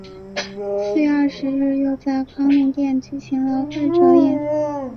四月二十日又在康宁殿举行了会酌宴。